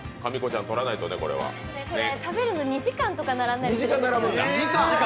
食べるの２時間とか並ぶんですよ。